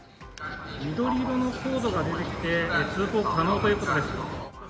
緑色のコードが出てきて、通行可能ということです。